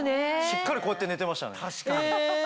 しっかりこうやって寝てましたね。